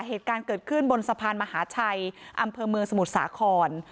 เหตุการณ์เกิดขึ้นบนสะพานมหาชัยอำเภอเมืองสมุทรสาคร